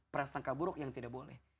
prasangka buruk yang tidak boleh